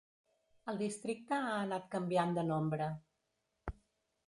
El districte ha anat canviant de nombre.